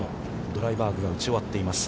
ドライバーグが打ち終わっています。